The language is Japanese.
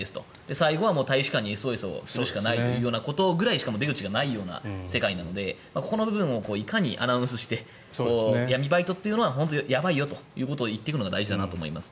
最後は大使館にＳＯＳするしかないということぐらいしか出口がないような世界なのでここの部分をいかにアナウンスして闇バイトというのは本当にやばいよということを言っていくのが大事だなと思います。